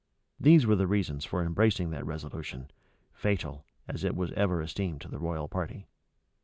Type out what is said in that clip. These were the reasons for embracing that resolution, fatal, as it was ever esteemed to the royal party.